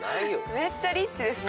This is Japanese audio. めっちゃリッチですね